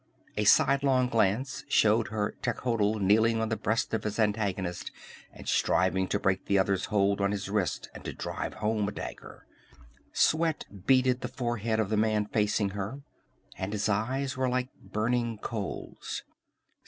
A sidelong glance showed her Techotl kneeling on the breast of his antagonist and striving to break the other's hold on his wrist and to drive home a dagger. Sweat beaded the forehead of the man facing her, and his eyes were like burning coals.